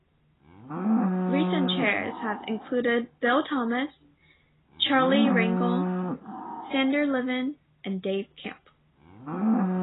Recent chairs have included Bill Thomas, Charlie Rangel, Sander Levin, and Dave Camp.